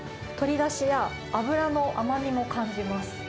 鶏だしや脂の甘みも感じます。